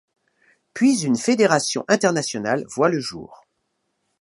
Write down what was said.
Puis une fédération internationale voit le jour.